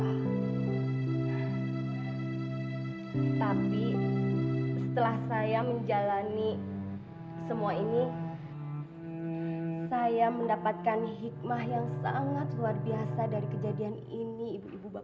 hai tapi setelah saya menjalani semua ini hai saya mendapatkan hikmah yang sangat luar biasa dari kejadian ini ibu ibu bapak bapak